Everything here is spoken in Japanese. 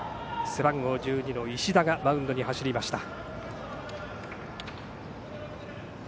背番号１２の石田がマウンドに走りました。